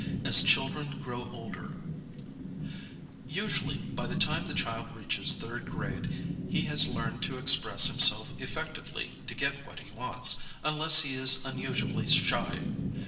AS CHILDREN GROW OLDER Usually b) the time the child reaches third grade he has learned to express himself effectively to get what he wants, unless he is unusually shy.